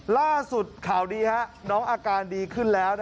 ล่าสุดข่าวดีนะครับน้องอาการดีขึ้นแล้วนะครับ